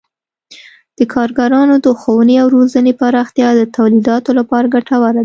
د کارګرانو د ښوونې او روزنې پراختیا د تولیداتو لپاره ګټوره ده.